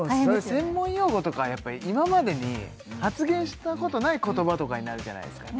専門用語とかやっぱり今までに発言したことない言葉とかになるじゃないですか